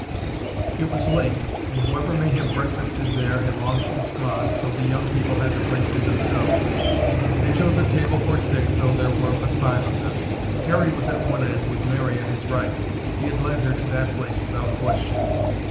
It was late and whoever may have breakfasted there had long since gone so the young people had the place to themselves. They chose a table for six though there were but five of them. Harry was at one end with Mary at his right. He had led her to that place without question.